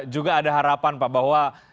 juga ada harapan pak bahwa